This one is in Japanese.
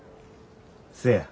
せや。